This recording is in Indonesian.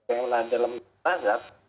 yang dalam perangkat